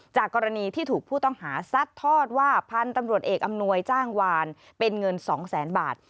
จากกรณีที่ถูกผู้ต้องหาซัดทอดว่าพันธุ์ตำรวจเอกอำนวยจ้างวานเป็นเงิน๒แสนบาท